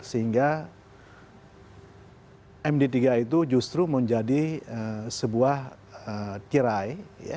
sehingga md tiga itu justru menjadi sebuah tirai